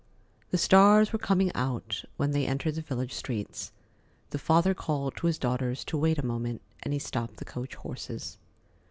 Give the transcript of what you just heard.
The stars were coming out when they entered the village streets. The father called to his daughters to wait a moment, and he stopped the coach horses.